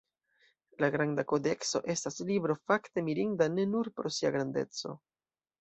La Granda Kodekso estas libro fakte mirinda ne nur pro sia grandeco.